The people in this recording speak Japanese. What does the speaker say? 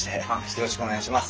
よろしくお願いします。